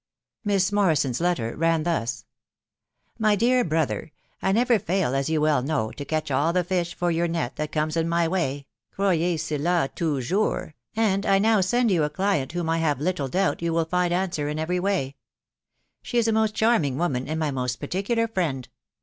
Miss Morrison's letter ran thus :—" My bear Brothbb, * I never fail, as you well know, to catch all the fish for your net that cornea in my way *►.. crowyee atffauti* yiwt z 2 940 THE WIDOW BARVABTi ... and I now send you a client whom I hare little doubt you will find answer in every way. She is a most dunning woman,, and my most particular friend.